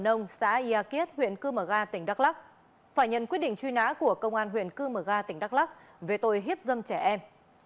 nông xã ia kiết huyện cư mở ga tỉnh đắk lắk phải nhận quyết định truy nã của công an huyện cư mở ga tỉnh đắk lắk về tội hiếp dâm trẻ em